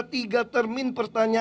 anda harus tetap ke sisi sasi niat